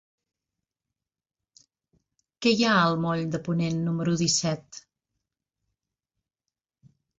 Què hi ha al moll de Ponent número disset?